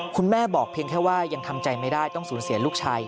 คุณแม่บอกเพียงแค่ว่ายังทำใจไม่ได้ต้องสูญเสียลูกชาย